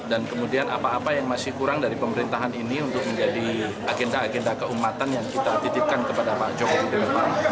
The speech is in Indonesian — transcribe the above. dan kemudian apa apa yang masih kurang dari pemerintahan ini untuk menjadi agenda agenda keumatan yang kita titipkan kepada pak jokowi ke depan